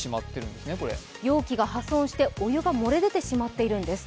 容器が破損してお湯が漏れ出てしまっているんです。